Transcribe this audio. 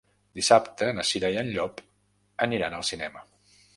Dissabte na Cira i en Llop aniran al cinema.